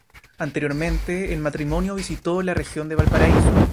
Anteriormente, el matrimonio visitó la Región de Valparaíso.